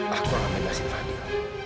aku akan mendahkan fadil